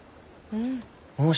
うん。